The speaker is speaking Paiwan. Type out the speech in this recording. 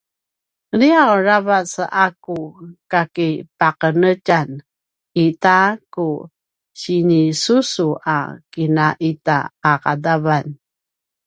liyav aravac a ku kakipaqenetjan i ta ku sinisusu a kinaita a qadavan